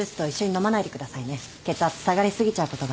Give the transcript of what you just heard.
血圧下がり過ぎちゃうことがあるので。